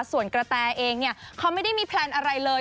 ส่วนกระแตเองเนี่ยเขาไม่ได้มีแพลนอะไรเลย